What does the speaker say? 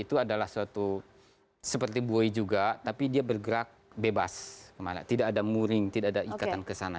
itu adalah suatu seperti buoy juga tapi dia bergerak bebas kemana tidak ada mooring tidak ada ikatan kesana